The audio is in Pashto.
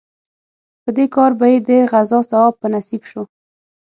په دې کار به یې د غزا ثواب په نصیب شو.